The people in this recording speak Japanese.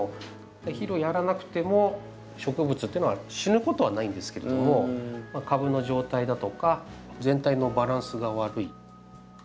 肥料をやらなくても植物っていうのは死ぬことはないんですけれども株の状態だとか全体のバランスが悪い。